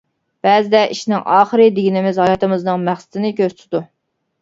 بەزىدە «ئىشنىڭ ئاخىرى» دېگىنىمىز ھاياتىمىزنىڭ مەقسىتىنى كۆرسىتىدۇ.